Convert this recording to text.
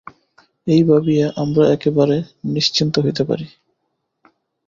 এই ভাবিয়া আমরা একেবারে নিশ্চিন্ত হইতে পারি।